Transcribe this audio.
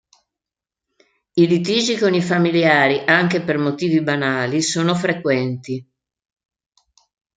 I litigi con i familiari, anche per motivi banali, sono frequenti.